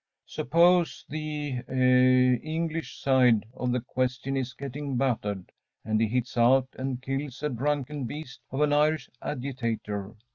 Suppose the eh English side of the question is getting battered, and he hits out and kills a drunken beast of an Irish agitator.